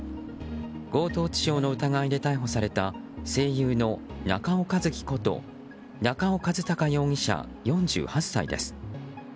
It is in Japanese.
強盗致傷の疑いで逮捕された声優の中尾一貴こと中尾和貴容疑者、４８歳です。